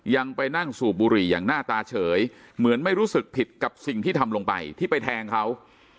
ยังไปนั่งสูบบุหรี่อย่างหน้าตาเฉยเหมือนไม่รู้สึกผิดกับสิ่งที่ทำลงไปที่ไปแทงเขา